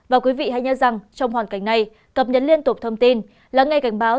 và quý vị hãy nhớ rằng trong hoàn cảnh này cập nhật liên tục thông tin lắng nghe cảnh báo